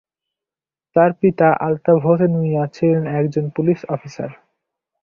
তার পিতা আলতাফ হোসেন মিয়া ছিলেন একজন পুলিশ অফিসার।